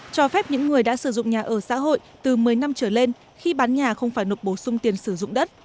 cho phép những người đã sử dụng nhà ở xã hội từ một mươi năm trở lên khi bán nhà không phải nộp bổ sung tiền sử dụng đất